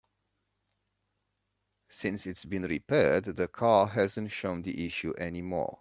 Since it's been repaired, the car hasn't shown the issue any more.